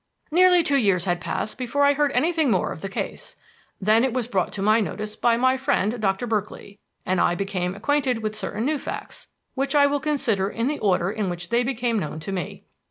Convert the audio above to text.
"Nearly two years had passed before I heard anything more of the case. Then it was brought to my notice by my friend, Doctor Berkeley, and I became acquainted with certain new facts, which I will consider in the order in which they became known to me.